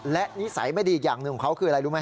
และนิสัยไม่ดีอีกอย่างหนึ่งของเขาคืออะไรรู้ไหม